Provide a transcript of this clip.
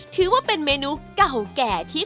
ถือว่าเป็นเมนูเก่าแก่ที่